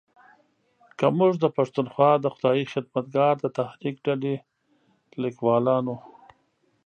که موږ د پښتونخوا د خدایي خدمتګار د تحریک ډلې لیکوالانو